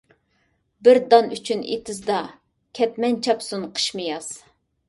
بىر دان ئۈچۈن ئېتىزدا، كەتمەن چاپسۇن قىشمۇ ياز.